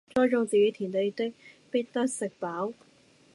耕種自己田地的，必得飽食